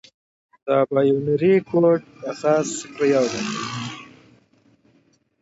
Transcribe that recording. د بایونري کوډ اساس صفر او یو دي.